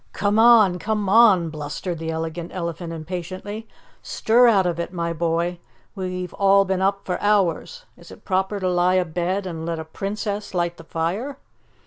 "Come on! Come on!" blustered the Elegant Elephant impatiently. "Stir out of it, my boy, we've all been up for hours. Is it proper to lie abed and let a Princess light the fire?"